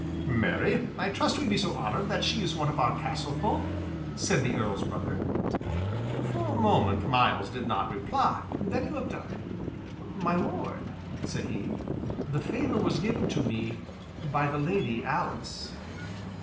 "Marry, I trust we be so honored that she is one of our castle folk," said the Earl's brother. For a moment Myles did not reply; then he looked up. "My Lord," said he, "the favor was given to me by the Lady Alice."